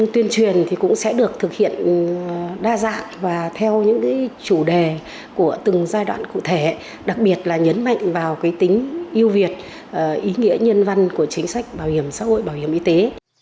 tuyên truyền thì cũng sẽ được thực hiện đa dạng và theo những chủ đề của từng giai đoạn cụ thể đặc biệt là nhấn mạnh vào tính yêu việt ý nghĩa nhân văn của chính sách bảo hiểm xã hội bảo hiểm y tế